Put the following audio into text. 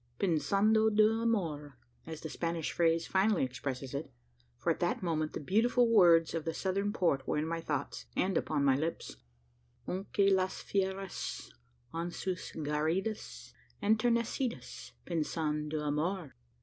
"Pensando de amor," as the Spanish phrase finely expresses it; for at that moment, the beautiful words of the southern poet were in my thoughts, and upon my lips: Aunque las fieras En sus guaridas Enternecidas Pensan de amor!